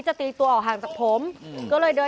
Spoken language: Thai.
โชว์มือ